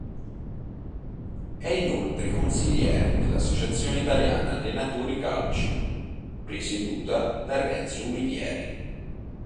È inoltre Consigliere dell'Associazione Italiana Allenatori Calcio, presieduta da Renzo Ulivieri.